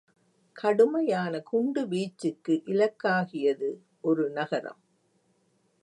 கடுமையான குண்டு வீச்சக்கு இலக்காகியது ஒரு நகரம்.